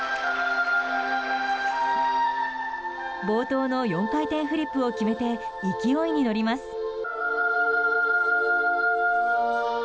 冒頭の４回転フリップを決めて勢いに乗ります。